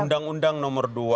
undang undang nomor dua